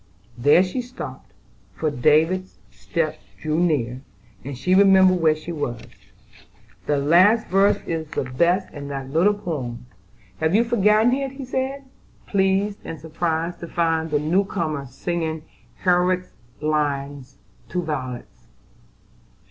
There she stopped, for David's step drew near, and she remembered where she was. "The last verse is the best in that little poem. Have you forgotten it?" he said, pleased and surprised to find the new comer singing Herrick's lines "To Violets."